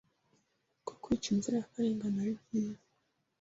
ko kwica inzirakarengane ari byiza